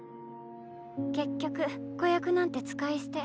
結局子役なんて使い捨て。